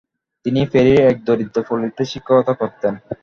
তিনি প্যারির এক দরিদ্র পল্লীতে শিক্ষকতা করতেন।